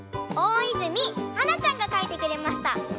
おおいずみはなちゃんがかいてくれました。